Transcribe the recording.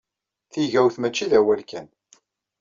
Tigawt mačči d awal kan.